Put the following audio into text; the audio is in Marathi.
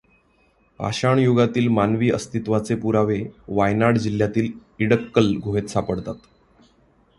पाषाणयुगातील मानवी अस्तित्वाचे पुरावे वायनाड जिल्ह्यातील इडक्कल गुहेत सापडतात.